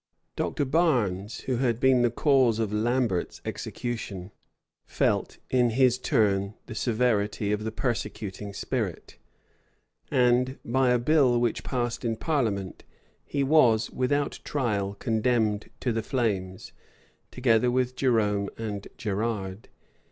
Dr. Barnes, who had been the cause of Lambert's execution, felt, in his turn, the severity of the persecuting spirit; and, by a bill which passed in parliament, he was, without trial, condemned to the flames, together with Jerome and Gerrard.